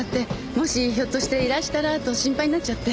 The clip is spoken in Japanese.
もしひょっとしていらしたらと心配になっちゃって。